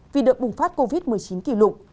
vì đợt bùng phát covid một mươi chín kỷ lục